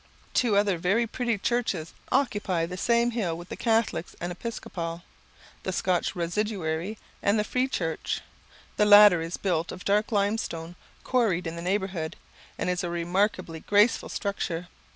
Two other very pretty churches occupy the same hill with the Catholics and Episcopal, the Scotch Residuary, and the Free Church. The latter is built of dark limestone, quarried in the neighbourhood, and is a remarkably graceful structure.